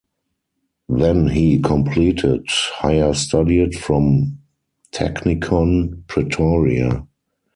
Then he completed higher studied from Technikon Pretoria.